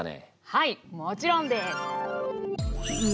はいもちろんです！